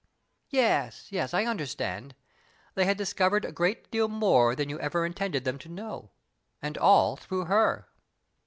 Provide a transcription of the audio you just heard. "Yes, yes, I understand. They had discovered a great deal more than you ever intended them to know, and all through her."